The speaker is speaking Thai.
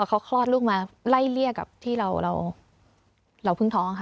เขาคลอดลูกมาไล่เลี่ยกับที่เราเพิ่งท้องค่ะ